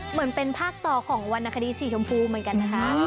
เหมือนเป็นภาคต่อของวรรณคดีสีชมพูเหมือนกันนะคะ